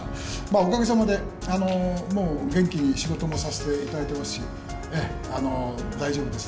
おかげさまで、もう元気に仕事もさせていただいてますし、大丈夫です。